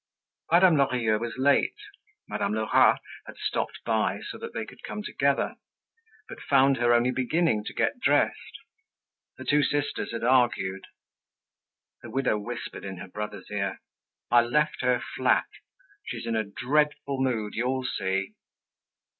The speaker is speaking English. Madame Lorilleux was late. Madame Lerat had stopped by so they could come together, but found her only beginning to get dressed. The two sisters had argued. The widow whispered in her brother's ear, "I left her flat! She's in a dreadful mood. You'll see."